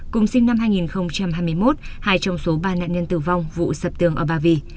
cùng sinh năm hai nghìn hai mươi một hai trong số ba nạn nhân tử vong vụ sập tường ở ba vy